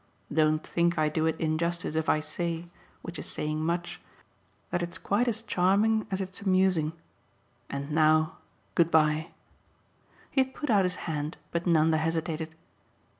Don't think I do it injustice if I say which is saying much that it's quite as charming as it's amusing. And now good bye." He had put out his hand, but Nanda hesitated.